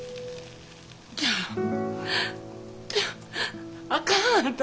ちょあかんあんた